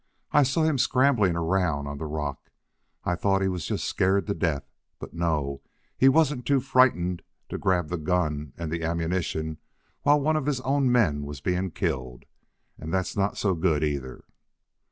I saw him scrambling around on the rock. I thought he was just scared to death; but no, he wasn't too frightened to grab the gun and the ammunition while one of his own men was being killed. And that's not so good, either!"